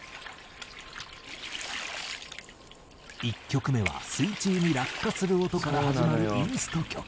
１曲目は水中に落下する音から始まるインスト曲。